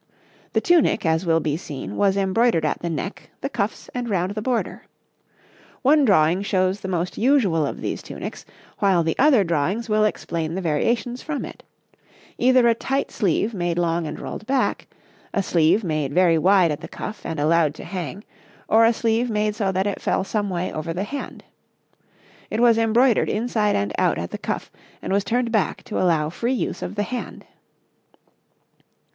The tunic, as will be seen, was embroidered at the neck, the cuffs, and round the border. One drawing shows the most usual of these tunics, while the other drawings will explain the variations from it either a tight sleeve made long and rolled back, a sleeve made very wide at the cuff and allowed to hang, or a sleeve made so that it fell some way over the hand. It was embroidered inside and out at the cuff, and was turned back to allow free use of the hand.